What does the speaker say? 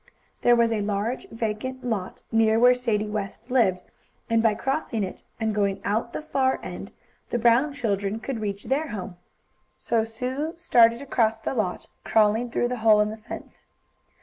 There was a large vacant lot, near where Sadie West lived, and by crossing it, and going out at the far end, the Brown children could reach their home. So Sue started across the lot, crawling through a hole in the fence.